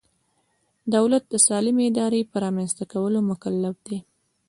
دولت د سالمې ادارې په رامنځته کولو مکلف دی.